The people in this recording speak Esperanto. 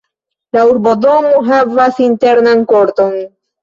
La urbodomo havas internan korton.